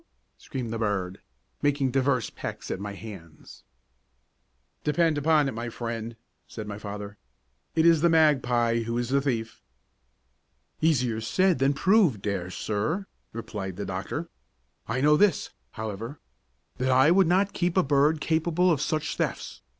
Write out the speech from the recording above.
screamed the bird, making divers pecks at my hands. "Depend upon it, my friend," said my father, "it is the magpie who is the thief." "Easier said than proved, dear sir," replied the doctor. "I know this, however, that I would not keep a bird capable of such thefts.